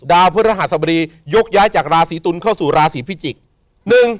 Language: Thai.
พฤหัสบดียกย้ายจากราศีตุลเข้าสู่ราศีพิจิกษ์